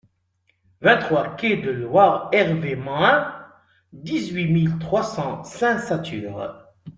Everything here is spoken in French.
vingt-trois quai de Loire Hervé Mhun, dix-huit mille trois cents Saint-Satur